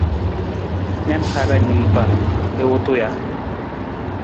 Na na hara niimpa i wutu ja?